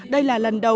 đây là lần đầu